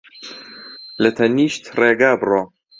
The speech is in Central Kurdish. لە تەنیشت ڕێگا بڕۆ